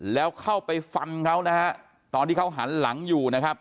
แล้วเข้าไปฟันเขานะฮะตอนที่เขาหันหลังอยู่นะครับ